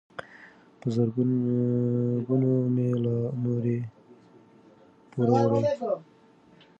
په زرګونو مي لا نور یې پوروړی